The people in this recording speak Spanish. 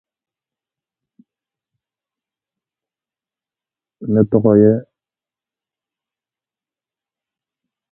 Es originaria de El Salvador.